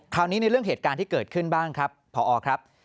ในเรื่องเหตุการณ์ที่เกิดขึ้นบ้างครับพอครับ